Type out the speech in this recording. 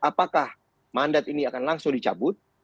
apakah mandat ini akan langsung dicabut